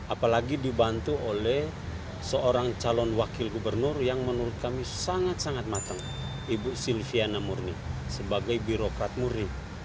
apalagi dibantu oleh seorang calon wakil gubernur yang menurut kami sangat sangat matang ibu silviana murni sebagai birokrat murni